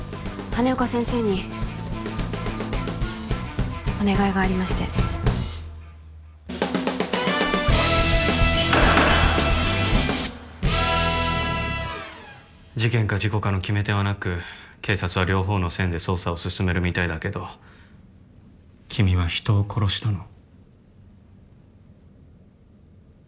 羽根岡先生にお願いがありまして事件か事故かの決め手はなく警察は両方の線で捜査を進めるみたいだけど君は人を殺したの？